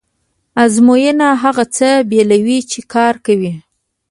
ازموینه هغه څه بېلوي چې کار کوي.